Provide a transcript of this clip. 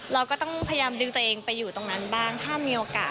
เราก็ต้องพยายามดึงตัวเองไปอยู่ตรงนั้นบ้างถ้ามีโอกาส